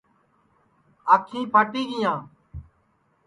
آنکھِیں پھاٹی گینیاں